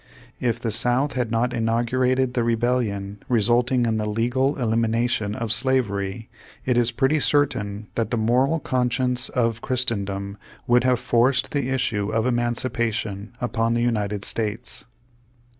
If the South had not inaugurated the re bellion, resulting in the legal elimination of slavery, it is pretty certain that the moral con science of Christendom would have forced the issue of emancipation upon the United States.